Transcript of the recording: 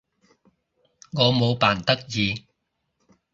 我冇扮得意